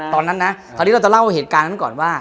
ตอนนั้นนะคราวนี้เราจะเล่าเหตุการณ์นั้นก่อนว่า